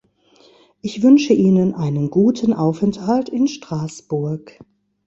Ich wünsche Ihnen einen guten Aufenthalt in Straßburg.